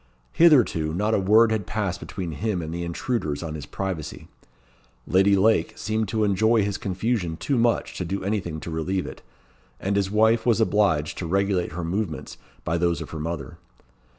Hitherto, not a word had passed between him and the intruders on his privacy. Lady Lake seemed to enjoy his confusion too much to do anything to relieve it, and his wife was obliged to regulate her movements by those of her mother.